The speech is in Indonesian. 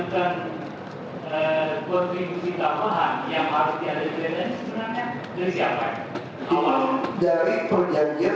dalam rangka mau membatalkan perjanjiannya